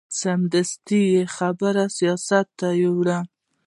سمدستي یې خبرې سیاست ته یوړې.